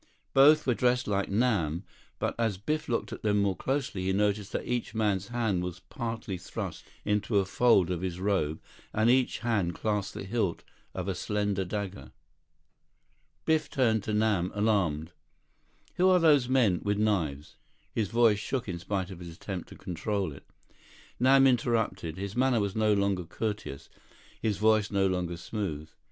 Both were dressed like Nam. But, as Biff looked at them more closely, he noticed that each man's hand was partly thrust into a fold of his robe, and each hand clasped the hilt of a slender dagger. Biff turned to Nam, alarmed. "Who are those men—with knives—" His voice shook in spite of his attempt to control it. Nam interrupted. His manner was no longer courteous, his voice no longer smooth.